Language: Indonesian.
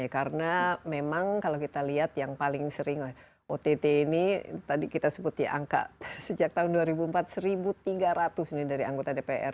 karena memang kalau kita lihat yang paling sering ott ini tadi kita sebut ya angka sejak tahun dua ribu empat seribu tiga ratus ini dari anggota dpr